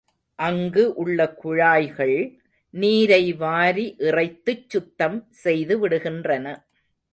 அங்கு உள்ள குழாய்கள் நீரை வாரி இறைத்துச் சுத்தம் செய்து விடுகின்றன.